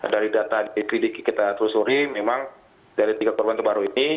dari data di klidiki kita telusuri memang dari tiga korban terbaru ini